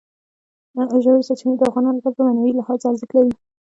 ژورې سرچینې د افغانانو لپاره په معنوي لحاظ ارزښت لري.